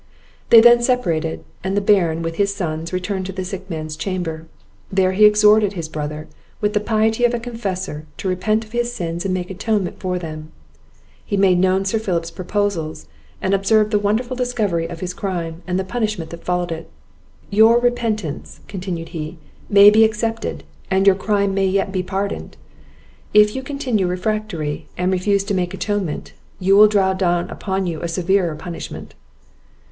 They then separated; and the Baron, with his sons, returned to the sick man's chamber; there he exhorted his brother, with the piety of a confessor, to repent of his sins and make atonement for them. He made known Sir Philip's proposals, and observed on the wonderful discovery of his crime, and the punishment that followed it. "Your repentance," continued he, "may be accepted, and your crime may yet be pardoned. If you continue refractory, and refuse to make atonement, you will draw down upon you a severer punishment."